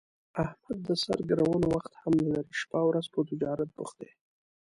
احمد د سر ګرولو وخت هم نه لري، شپه اورځ په تجارت بوخت دی.